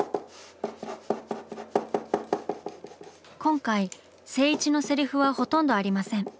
今回静一のセリフはほとんどありません。